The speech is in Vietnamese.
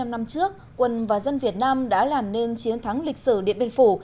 bảy mươi năm năm trước quân và dân việt nam đã làm nên chiến thắng lịch sử điện biên phủ